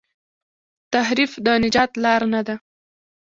تحریف د نجات لار نه ده.